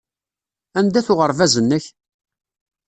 Anda-t uɣerbaz-nnek?